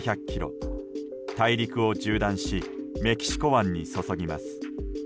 大陸を縦断しメキシコ湾に注ぎます。